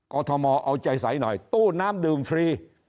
กอทรมาลเอาใจใสนว่าตู้น้ำดื่มฟรี